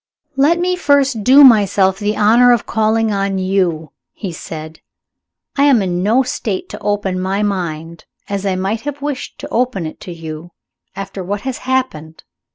"Let me first do myself the honor of calling on You," he said. "I am in no state to open my mind as I might have wished to open it to you after what has happened.